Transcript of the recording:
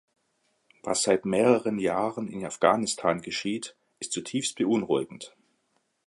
Was seit mehreren Jahren in Afghanistan geschieht, ist zutiefst beunruhigend.